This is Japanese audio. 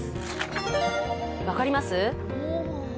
分かります？